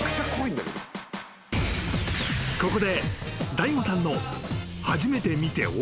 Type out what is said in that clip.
［ここで］